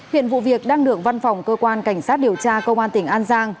hiện vụ việc đang được văn phòng cơ quan cảnh sát điều tra công an tỉnh an giang